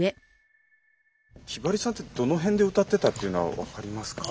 ひばりさんってどの辺で歌ってたっていうのは分かりますか？